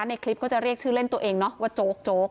ในคลิปก็จะเรียกชื่อเล่นตัวเองว่าโจ๊ก